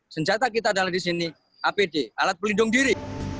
senjata kita adalah di sini apd alat pelindung diri